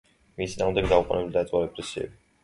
მის წინააღმდეგ დაუყოვნებლივ დაიწყო რეპრესიები.